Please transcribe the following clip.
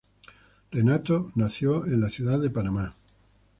Renato nació en la Ciudad de Panamá.